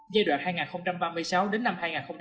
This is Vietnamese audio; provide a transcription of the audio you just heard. giai đoạn hai nghìn ba mươi sáu đến năm hai nghìn năm mươi